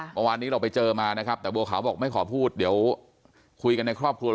เมื่อวานนี้เราไปเจอมานะครับแต่บัวขาวบอกไม่ขอพูดเดี๋ยวคุยกันในครอบครัว